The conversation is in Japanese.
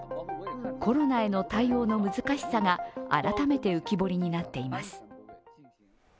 コロナへの対応の難しさが改めて浮き彫りになっています。